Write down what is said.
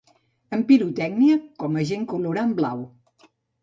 En pirotècnia com agent colorant blau.